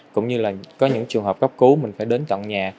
cũng như là có những trường hợp cấp cứu mình phải đến tận nhà